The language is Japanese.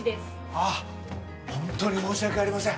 あっホントに申し訳ありません